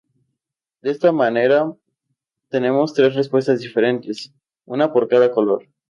De esta manera, obtenemos tres respuestas diferentes, una por cada color.